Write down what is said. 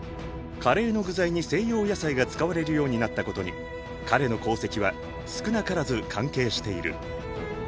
カレーの具材に西洋野菜が使われるようになったことに彼の功績は少なからず関係している。